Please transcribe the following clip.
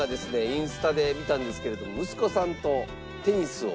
インスタで見たんですけれども息子さんとテニスを。